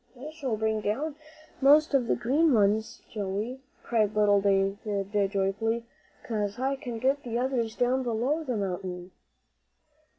"I shall bring down most of the green ones, Joey," cried little David, joyfully, "'cause I can get the others down below the mountain."